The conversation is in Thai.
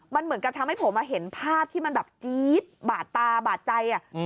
มันเหมือนกับทำให้ผมเห็นภาพที่มันแบบจี๊ดบาดตาบาดใจ